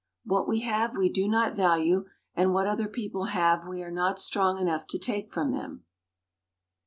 What we have we do not value, and what other people have we are not strong enough to take from them.